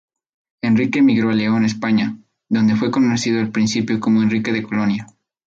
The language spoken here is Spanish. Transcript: Enrique emigró a León, España, donde fue conocido al principio como Enrique de Colonia.